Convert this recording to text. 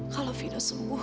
kalau vina sembuh